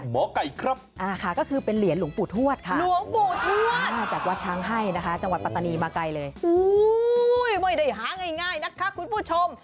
ไม่ได้หาง่ายนะครับคุณผู้ชม